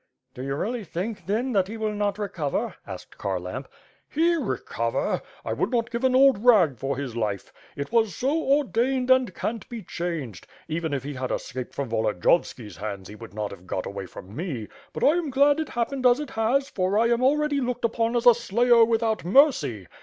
"Do you really think, then, that he will not recover?" asked Kharlamp. "He, recover! I would not give an old rag for his life. It was so ordained and can't be changed. Even if he had escaped from Volodiyovski's hands, he would not have got away from me. But I am glad it happened as it has, for I am already looked upon as a slayer without mercy.